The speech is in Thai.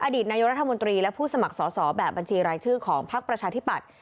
อดีตนายกรัฐมนตรีและผู้สมัครสอสอแบบบัญชีรายชื่อของพักประชาธิปัตย